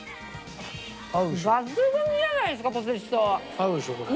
合うでしょこれ。